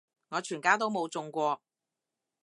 我全家都冇中過